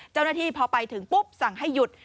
เจ้าหน้าที่พอไปถึงปุ๊บสั่งให้หยุด